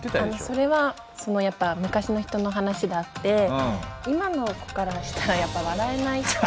それはそのやっぱ昔の人の話であって今の子からしたらやっぱ笑えない。